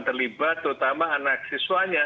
terlibat terutama anak siswanya